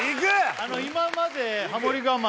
今までハモリ我慢